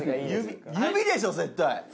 指でしょ絶対。